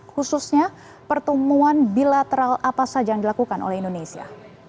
khususnya pertemuan bilateral apa saja yang dilakukan oleh indonesia